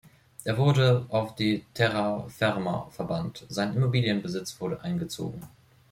Er wurde auf die Terraferma verbannt, sein Immobilienbesitz wurde eingezogen.